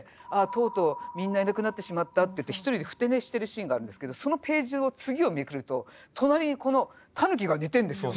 とうとうみんないなくなってしまったって言って１人でふて寝してるシーンがあるんですけどそのページを次をめくると隣にこのタヌキが寝てんですよ。